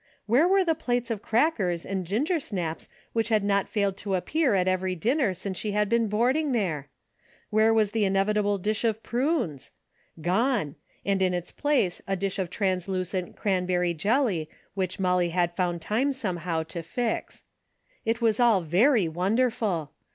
AVhere were the plates of crackers and gingersnaps which had not failed to appear at every din ner since she had been boarding there ? Where was the inevitable dish of prunes ? Gone, and in its place a dish of translucent cranberry jelly which Molly had found time somehow to fix. It was all very wonderful.